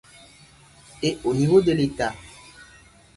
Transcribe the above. Et au niveau de l’État ?